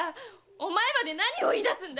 おまえまで何を言い出すんだ！